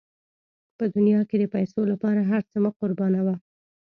په دنیا کې د پیسو لپاره هر څه مه قربانوه.